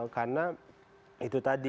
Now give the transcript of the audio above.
karena itu tadi